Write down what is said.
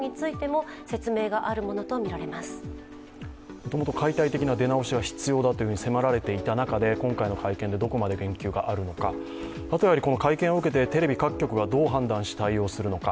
もともと解体的な出直しが必要だと迫られていた中で今回の会見でどこまで言及があるのかもとより会見を受けてテレビ各局はどう判断し対応するのか。